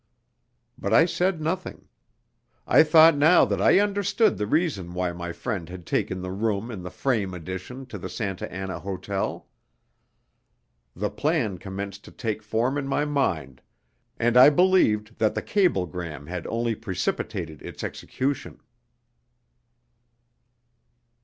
But I said nothing. I thought now that I understood the reason why my friend had taken the room in the frame addition to the Santa Anna Hotel. The plan commenced to take form in my mind, and I believed that the cablegram had only precipitated its execution.